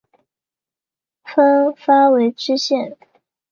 分发为知县。